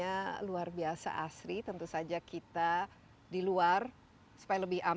ada rumah rumah yang pada kelas ini ada rumah rumah yang tetapi di rumah rumah ini ada rumah rumah yang